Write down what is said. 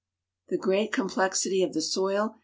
Tlie great complexity of the soil i?